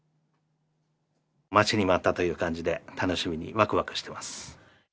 待ちに待ったという感じで、楽しみに、わくわくしてます。